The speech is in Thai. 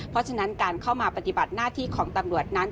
เพราะฉะนั้นการเข้ามาปฏิบัติหน้าที่ของตำรวจนั้น